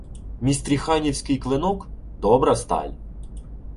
— Містріханівський клинок? Добра сталь.